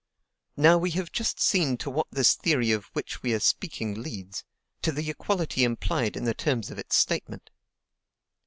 Now, we have just seen to what this theory of which we are speaking leads, to the equality implied in the terms of its statement.